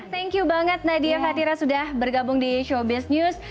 thank you banget nadia fatira sudah bergabung di showbiz news